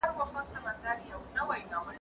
ډاکټر د ناروغۍ ریښه سمه پېژندلې وه.